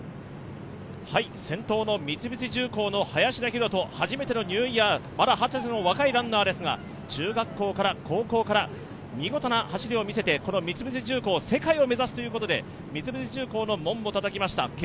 先頭の三菱重工の林田洋翔、初めてのニューイヤー、まだはたちの若いランナーですが、中学校から高校から、見事な走りを見せて世界を目指すということで三菱重工の門をたたきました。